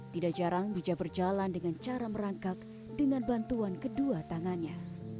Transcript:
tidak jarang bija berjalan dengan cara merangkak dengan bantuan kedua tangannya